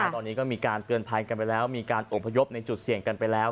ตอนนี้ก็มีการเตือนภัยกันไปแล้วมีการอบพยพในจุดเสี่ยงกันไปแล้ว